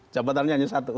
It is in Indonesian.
jabatannya hanya satu